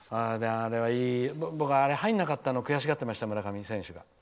あれが入らなかったのを悔しがってました、村上選手が。